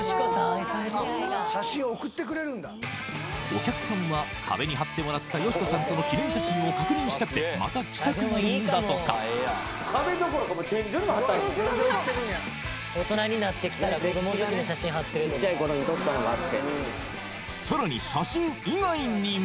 お客さんは壁に貼ってもらったよしこさんとの記念写真を確認したくてまた来たくなるんだとかちっちゃい頃に撮ったのがあってさらに